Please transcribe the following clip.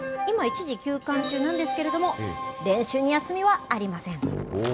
今、一時休館中なんですけれども、練習に休みはありません。